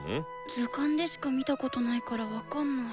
図鑑でしか見たことないから分かんない。